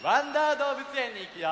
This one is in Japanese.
どうぶつえん」にいくよ！